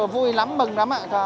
vui lắm mừng lắm ạ